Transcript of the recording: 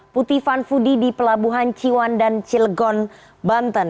puti van fudi di pelabuhan ciwan dan cilgon banten